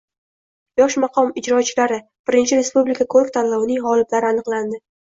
“Yosh maqom ijrochilari” I respublika ko‘rik-tanlovining g‘oliblari aniqlandi